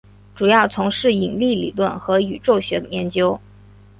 主要从事引力理论和宇宙学研究。